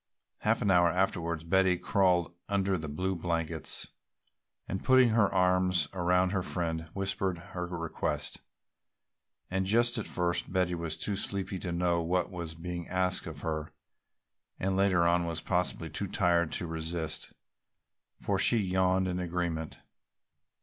Half an hour afterwards Polly crawled under the blue blankets and putting her arms about her friend whispered her request. And just at first Betty was too sleepy to know what was being asked of her and later on was possibly too tired to resist, for she yawned an agreement.